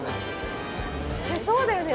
そうだよね